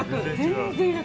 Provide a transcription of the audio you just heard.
全然楽！